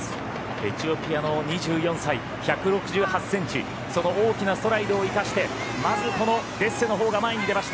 エチオピアの２４歳１６８ｃｍその大きなストライドを生かして、まずこのデッセのほうが前に出ました。